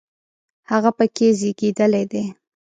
هغه په کې زیږېدلی دی.